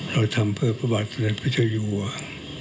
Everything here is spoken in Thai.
เราทำเพื่อพระบาทสุนัขพระเจ้าอยู่ว่า